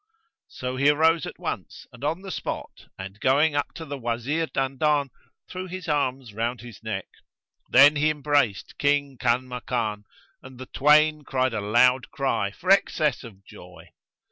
So he rose at once and on the spot and, going up to the Wazir Dandan, threw his arms round his neck; then he embraced King Kanmakan and the twain cried a loud cry for excess of joy.